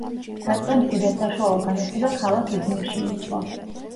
დაწყებითი და საშუალო განათლება ქალაქ იზმირში მიიღო.